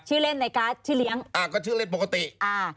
เล่นในการ์ดชื่อเลี้ยงอ่าก็ชื่อเล่นปกติอ่า